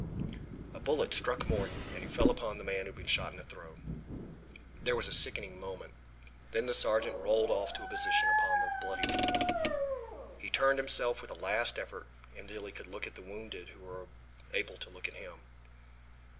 A bullet struck Morton, and he fell upon the man who had been shot in the throat. There was a sickening moment. Then the sergeant rolled off to a position upon the bloody floor. He turned himself with a last effort until he could look at the wounded who were able to look at him.